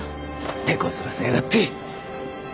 てこずらせやがって。